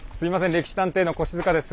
「歴史探偵」の越塚です。